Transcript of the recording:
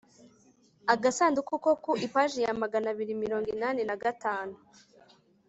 [agasanduku ko ku ipaji ya magana biri mirongo inani nagatanu